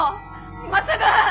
今すぐッ！